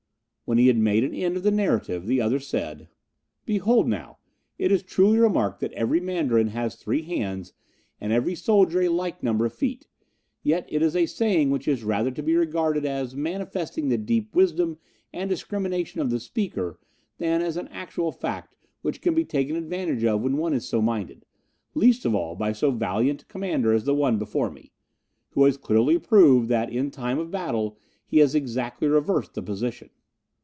When he had made an end of the narrative, the other said: "Behold now, it is truly remarked that every Mandarin has three hands and every soldier a like number of feet, yet it is a saying which is rather to be regarded as manifesting the deep wisdom and discrimination of the speaker than as an actual fact which can be taken advantage of when one is so minded least of all by so valiant a Commander as the one before me, who has clearly proved that in time of battle he has exactly reversed the position."